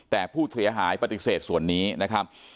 แต่ผู้เสียหายปฏิเสธส่วนนี้นะครับ